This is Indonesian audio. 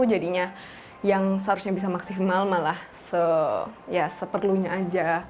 jadinya yang seharusnya bisa maksimal malah seperlunya aja